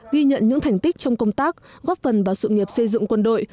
ghi nhận những thành tích trong công tác góp phần vào sự nghiệp xây dựng quân đội